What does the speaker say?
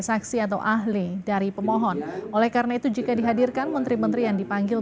saksi atau ahli dari pemohon oleh karena itu jika dihadirkan menteri menteri yang dipanggil